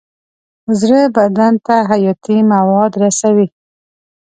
زړه بدن ته حیاتي مواد رسوي.